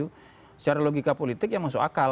kalau misalnya politik politik yang masuk akal